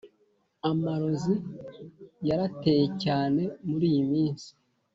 Amarozi yarateye cyane muriyiminsi